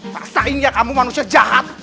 paksain ya kamu manusia jahat